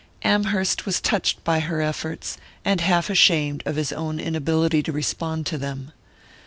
Amherst was touched by her efforts, and half ashamed of his own inability to respond to them.